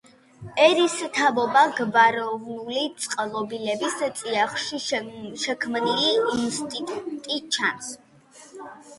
ერისთავობა გვაროვნული წყობილების წიაღში შექმნილი ინსტიტუტი ჩანს.